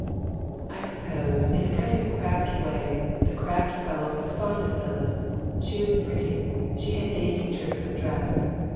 I suppose, in a kind of crabbed way, the crabbed fellow was fond of Phyllis. She was pretty. She had dainty tricks of dress.